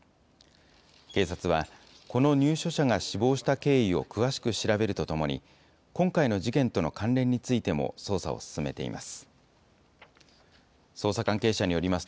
警察は、この入所者が死亡した経緯を詳しく調べるとともに、今回の事件との関連についても捜査を進めています。